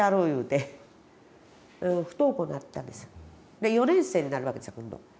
で４年生になるわけですよ今度。